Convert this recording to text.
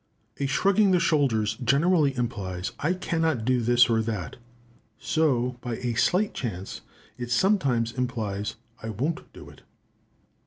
As shrugging the shoulders generally implies "I cannot do this or that," so by a slight change, it sometimes implies "I won't do it."